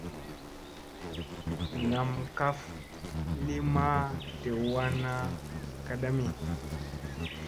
Nam kaf li maa dew wanna kadami.